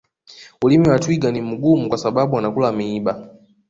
ulimi wa twiga ni mgumu kwa sababu anakula miiba